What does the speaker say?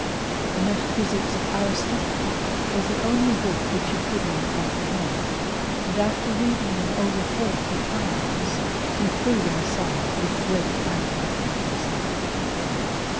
The metaphysics of Aristotle was the only book which he could not comprehend, and after reading them over forty times^ he threw them aside with great anger at himself.